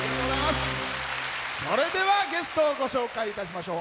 それでは、ゲストをご紹介いたしましょう。